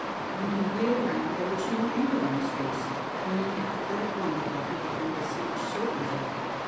When he wheeled round there was no anger on his face, only a pathetic wonder that he had been de ceived so easily.